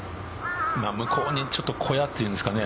向こうにちょっと小屋と言うんですかね